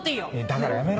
だからやめろって。